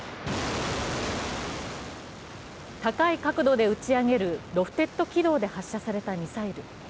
高い角度で打ち上げるロフテッド軌道で発射されたミサイル。